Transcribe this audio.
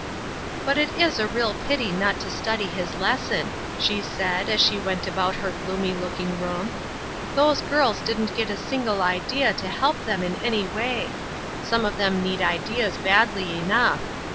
"But it is a real pity not to study his lesson," she said, as she went about her gloomy looking room. "Those girls didn't get a single idea to help them in any way. Some of them need ideas badly enough.